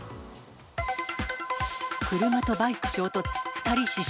車とバイク衝突、２人死傷。